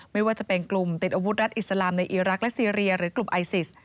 ไม่ว่าจะเป็นกลุ่มติดอาวุธรัฐอิสลามในอีรักษ์และซีเรียหรือกลุ่มไอซิส